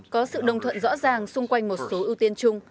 có sự đồng thuận rõ ràng xung quanh một số ưu tiên chung